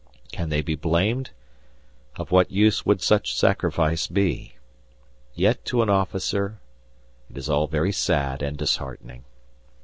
Can they be blamed? Of what use would such sacrifice be? Yet to an officer it is all very sad and disheartening.